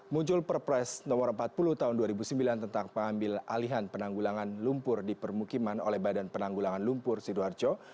muncul perpres nomor empat puluh tahun dua ribu sembilan tentang pengambil alihan penanggulangan lumpur di permukiman oleh badan penanggulangan lumpur sidoarjo